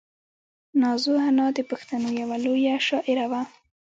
نازو انا د پښتنو یوه لویه شاعره وه.